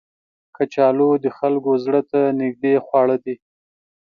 کچالو د خلکو زړه ته نیژدې خواړه دي